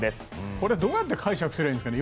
これ、どうやって解釈すればいいんですかね。